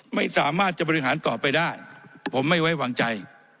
ไม่สามารถจะบริหารต่อไปได้ผมไม่ไว้วางใจ